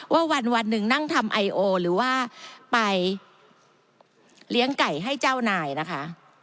ว่าวันหนึ่งนั่งทำไอโอหรือว่าไปเลี้ยงไก่ให้เจ้านายนะคะ